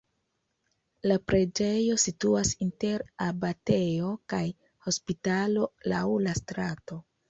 La preĝejo situas inter abatejo kaj hospitalo laŭ la strato.